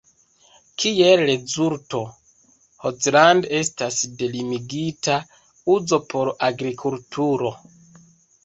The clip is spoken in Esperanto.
Kiel rezulto, Holzland estas de limigita uzo por agrikulturo.